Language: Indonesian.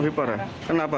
lebih parah kenapa bu